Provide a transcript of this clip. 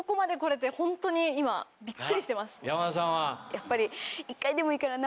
やっぱり。